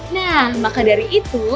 nah maka dari itu